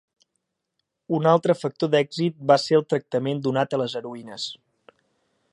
Un altre factor d'èxit va ser el tractament donat a les heroïnes.